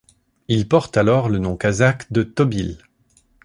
Il porte alors le nom kazakh de Tobyl.